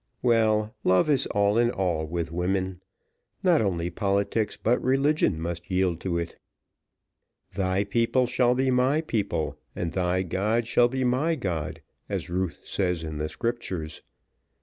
Well, love is all in all with women; not only politics but religion must yield to it; 'thy people shall be my people, and thy God shall be my God,' as Ruth says in the scriptures.